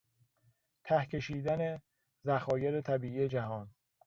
ته کشیدن دخایر طبیعی جهان